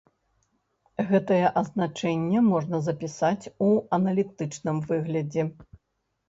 Гэтае азначэнне можна запісаць у аналітычным выглядзе.